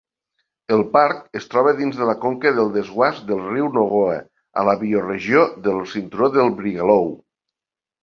El parc es troba dins de la conca del desguàs del riu Nogoa a la bioregió del cinturó de Brigalow.